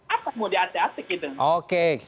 apa yang mau diatik atik gitu